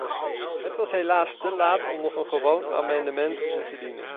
Het was helaas te laat om nog een gewoon amendement in te dienen.